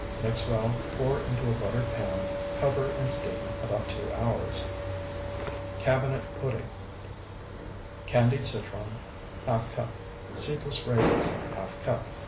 Mix well, pour into a buttered pan, cover, and steam about two hours. CABINET PUDDING Candied citron, ½ cup. Seedless raisins, ½ cup.